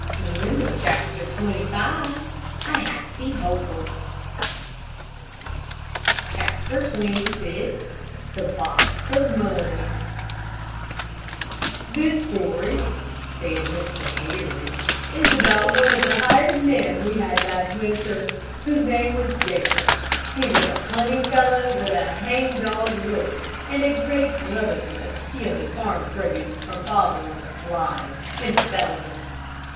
CHAPTER XXVI THE BOX OF MONEY "This story," said Mr. Harry, "is about one of the hired men we had last winter, whose name was Jacobs. He was a cunning fellow, with a hangdog look, and a great cleverness at stealing farm produce from father on the sly, and selling it.